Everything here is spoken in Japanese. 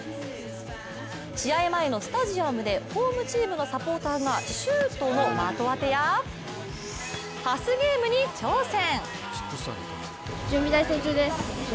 試合前のスタジアムでホームチームのサポーターがシュートの的当てやパスゲームに挑戦。